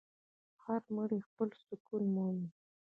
هر مړی خپل سکون مومي.